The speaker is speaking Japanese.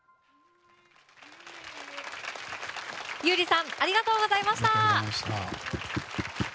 優里さんありがとうございました。